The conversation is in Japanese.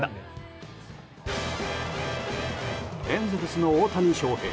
エンゼルスの大谷翔平。